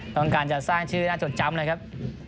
ต้องการจะสร้างชื่อน่าจดจำเลยครับ